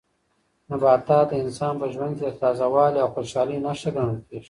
نباتات د انسان په ژوند کې د تازه والي او خوشالۍ نښه ګڼل کیږي.